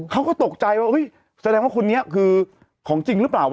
เขาก็ตกใจว่าแสดงว่าคนนี้คือของจริงหรือเปล่าวะ